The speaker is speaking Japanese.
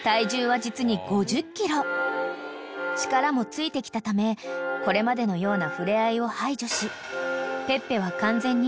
［力もついてきたためこれまでのような触れ合いを排除しペッペは完全に］